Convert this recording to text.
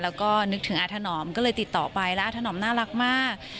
แล้วก็นึกถึงอาถนอมก็เลยติดต่อไปแล้วอาถนอมน่ารักมาก